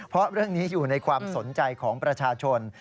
เพราะเรื่องนี้อยู่ในความสนใจของประชาชน